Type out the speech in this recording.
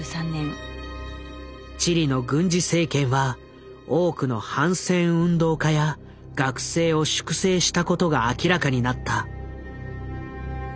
チリの軍事政権は多くの反戦運動家や学生を粛清したことが明らかになった。